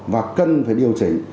và cần phải điều chỉ